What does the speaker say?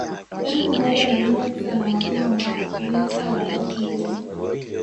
Elfu moja na mia tisa na mapema mwa mika ya elfu mbili